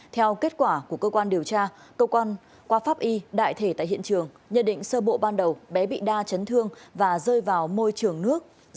theo kết quả của cơ quan điều tra cơ quan qua pháp y đại thể tại hiện trường nhận định sơ bộ ban đầu bé bị đa chấn thương và rơi vào môi trường nước dẫn đến tử vong